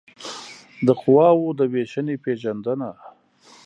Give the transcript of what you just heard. د قواوو د وېشنې پېژندنه